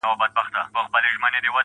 ستا د واده شپې ته شراب پيدا کوم څيښم يې~